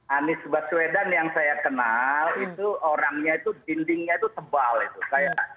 anies baswedan yang saya kenal itu orangnya itu dindingnya itu tebal itu